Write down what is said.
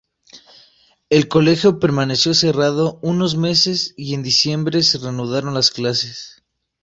El colegio permaneció cerrado unos meses y en diciembre se reanudaron las clases.